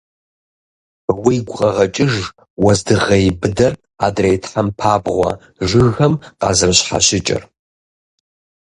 Уигу къэгъэкӀыж уэздыгъей быдэр адрей тхьэмпабгъуэ жыгхэм къазэрыщхьэщыкӀыр.